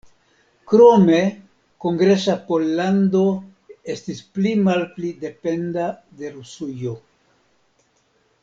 Krome Kongresa Pollando estis pli-malpli dependa de Rusujo.